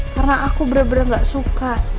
karena aku bener bener ga suka